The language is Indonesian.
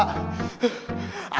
meninggal bareng kita